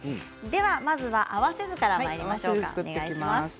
まずは合わせ酢からまいりましょう。